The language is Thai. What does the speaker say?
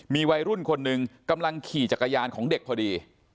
มีวัยรุ่นคนหนึ่งกำลังขี่จักรยานของเด็กพอดี